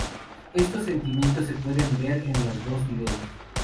Estos sentimientos se pueden ver en los dos videos.